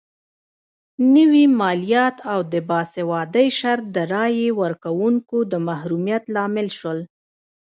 نوي مالیات او د باسوادۍ شرط د رایې ورکونکو د محرومیت لامل شول.